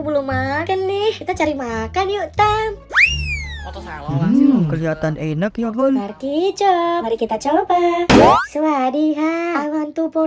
belum makan nih kita cari makan yuk tam kelihatan enak ya gol kicop kita coba suadiho i want to